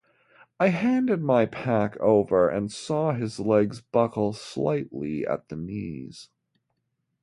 I handed my pack over and saw his legs buckle slightly at the knees.